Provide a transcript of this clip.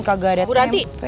kagak ada tempe